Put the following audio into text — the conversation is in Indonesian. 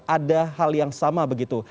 ada hal yang sama begitu